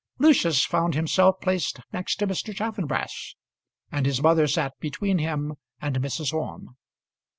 Lucius found himself placed next to Mr. Chaffanbrass, and his mother sat between him and Mrs. Orme.